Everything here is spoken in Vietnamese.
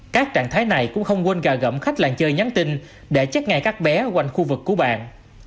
các trạng thái này cũng không quên gà gẫm khách làng chơi nhắn tin để chắc ngay các bé quanh khu vực của bạn